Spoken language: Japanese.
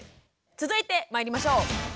続いてまいりましょう。